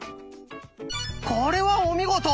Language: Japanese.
これはお見事！